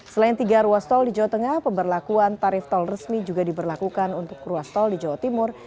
selain tiga ruas tol di jawa tengah pemberlakuan tarif tol resmi juga diberlakukan untuk ruas tol di jawa timur